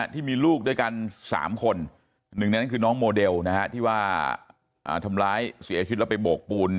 ที่มีลูกด้วยกัน๓คนหนึ่งในนั้นคือน้องโมเดลที่ว่าทำร้ายเสียชีวิตแล้วไปโบกปูน